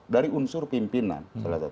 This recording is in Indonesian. dari unsur pimpinan